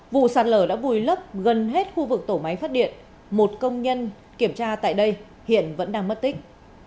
vụ sạt lở đã vùi lấp gần hết khu vực tổ máy phát điện một công nhân kiểm tra tại đây hiện vẫn đang mất tích